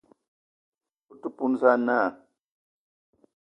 O te poun za na?